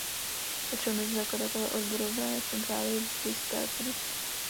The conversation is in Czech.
Patřil mezi zakladatele odborové centrály Histadrut.